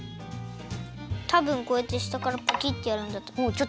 たぶんこうやってしたからパキッてやるんだとおもう。